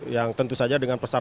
yang tentu saja dengan pesan